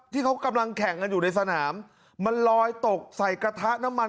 ที่เขากำลังแข่งกันอยู่ในสนามมันลอยตกใส่กระทะน้ำมัน